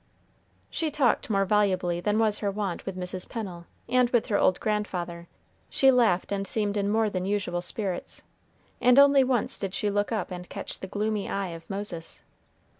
She talked more volubly than was her wont with Mrs. Pennel, and with her old grandfather; she laughed and seemed in more than usual spirits, and only once did she look up and catch the gloomy eye of Moses.